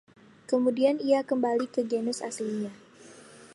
Kemudian ia kembali ke genus aslinya.